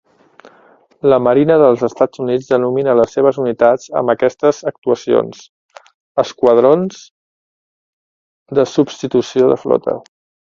La Marina dels Estats Units denomina les seves unitats amb aquestes actuacions "esquadrons de substitució de flota".